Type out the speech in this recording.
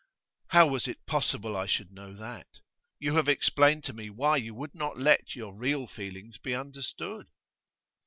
'How was it possible I should know that? You have explained to me why you would not let your real feelings be understood.